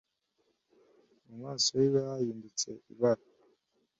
Mu maso hiwe hahindutse ibara.